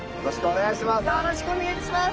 よろしくお願いします。